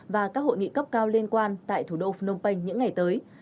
và các hội nghị cấp cao liên quan tại thủ đô phnom penh những ngày tới